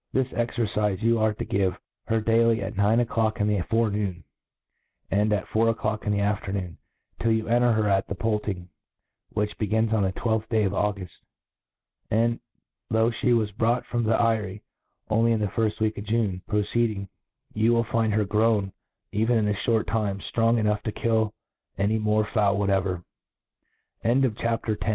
Thfs cxcrcife you arc to give her daily at nine o*fdock in the forenoon, and at four o'lock in the afternoon, till you enter her at the poulting,. which begins on the 12th day of Au guft j^ and, though fhe was brought from the ey rie only in the firft week of June prececding, you willlind her grown, even in this fliort time, ftrong: enough to kill any n^opr fowl whatever^ C H A P; XI, Of the Way in which